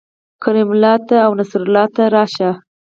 کریم الله ته او نصرت الله راشئ